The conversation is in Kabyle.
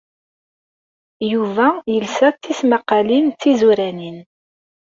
Yuba yelsa tismaqqalin d tizuranin.